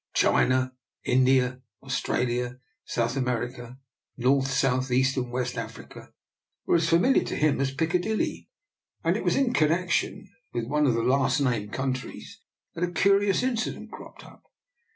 China, India, Australia, South America, North, South, East, and West Africa, were as familiar to him as Piccadilly, and it was in connection with one of the last named coun tries that a curious incident cropped up.